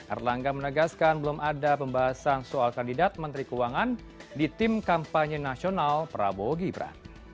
erlangga menegaskan belum ada pembahasan soal kandidat menteri keuangan di tim kampanye nasional prabowo gibran